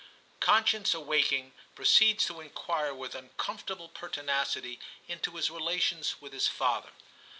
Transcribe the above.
conscience awaking, proceeds to inquire with uncomfortable pertinacity into his relations with his father.